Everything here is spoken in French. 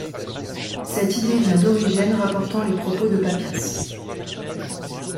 Cette idée vient d'Origène rapportant les propos de Papias.